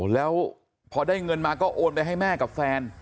แล้วพอได้เงินมาก็โอนไปให้แม่กับแฟน